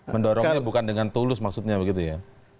mendorongnya bukan dengan tulus maksudnya begitu ya